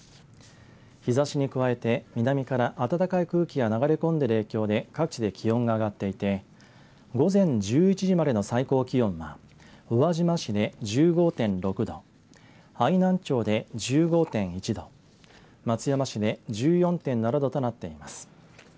日ざしに加えて南から暖かい空気が流れ込んでいる影響で各地で気温が上がっていて午前１１時までの最高気温は宇和島市で１５．６度愛南町で１５．１度松山市で１４．７度となっています。